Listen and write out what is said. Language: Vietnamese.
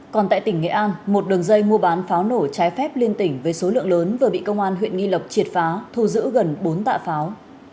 còn tại tỉnh nghệ an một đường dây mua bán pháo nổ trái phép liên tỉnh với số lượng lớn vừa bị công an huyện nghi lộc triệt phá thu giữ gần bốn tạ pháo